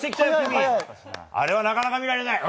あれはなかなか見ないね。